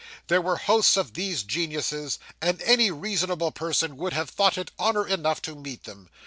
There were hosts of these geniuses, and any reasonable person would have thought it honour enough to meet them.